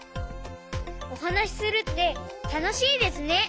おはなしするってたのしいですね！